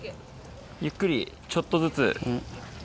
ゆっくりちょっとずつ。